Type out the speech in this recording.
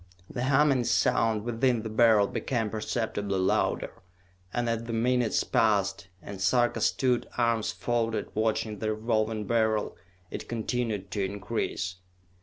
The humming sound within the Beryl became perceptibly louder, and as the minutes passed, and Sarka stood, arms folded, watching the Revolving Beryl, it continued to increase.